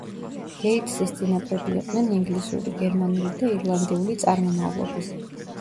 გეიტსის წინაპრები იყვნენ ინგლისური, გერმანული და ირლანდიული წარმომავლობის.